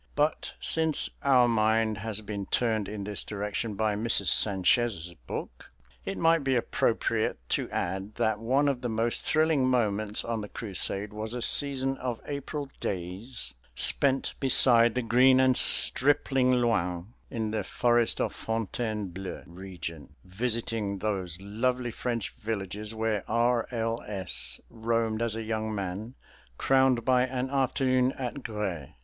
But, since our mind has been turned in this direction by Mrs. Sanchez's book, it might be appropriate to add that one of the most thrilling moments in the crusade was a season of April days spent beside the green and stripling Loing, in the forest of Fontainebleau region, visiting those lovely French villages where R. L. S. roamed as a young man, crowned by an afternoon at Grez.